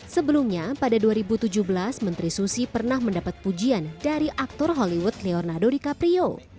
sebelumnya pada dua ribu tujuh belas menteri susi pernah mendapat pujian dari aktor hollywood leonardo dicaprio